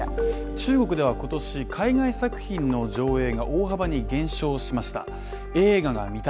中国では今年、海外作品の上映が大幅に減少しました。